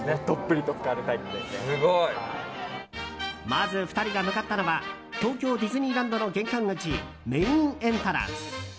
まず２人が向かったのは東京ディズニーランドの玄関口メインエントランス。